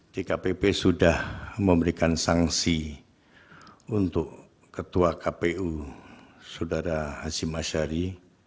di kpb sudah memberikan sanksi untuk ketua kpu saudara hasim masyari